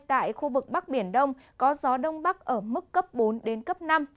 tại khu vực bắc biển đông có gió đông bắc ở mức cấp bốn đến cấp năm